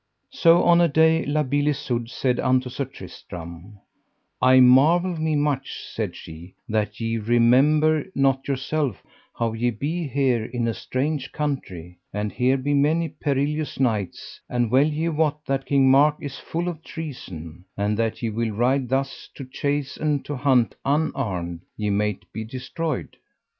So on a day La Beale Isoud said unto Sir Tristram: I marvel me much, said she, that ye remember not yourself, how ye be here in a strange country, and here be many perilous knights; and well ye wot that King Mark is full of treason; and that ye will ride thus to chase and to hunt unarmed ye might be destroyed.